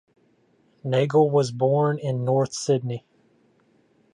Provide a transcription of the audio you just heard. Nagle was born in North Sydney.